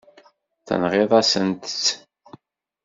Tenɣiḍ-asent-tt.